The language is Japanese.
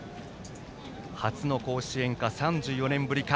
初の甲子園か、３４年ぶりか。